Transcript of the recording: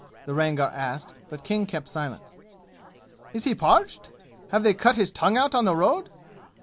the Rangar asked but King kept silence. "Is he parched? Have they cut his tongue out on the road?"